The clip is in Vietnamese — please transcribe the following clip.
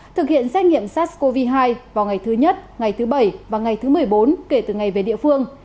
thực hiện xét nghiệm sars cov hai vào ngày thứ nhất ngày thứ bảy và ngày thứ một mươi bốn kể từ ngày về địa phương